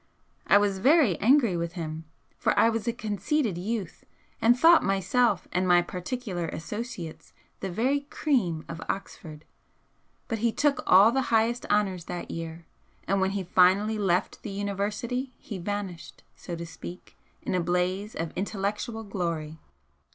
I was very angry with him, for I was a conceited youth and thought myself and my particular associates the very cream of Oxford, but he took all the highest honours that year, and when he finally left the University he vanished, so to speak, in a blaze of intellectual glory.